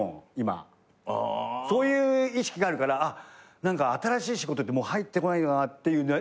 そういう意識があるから新しい仕事って入ってこないよなっていう悩みとか。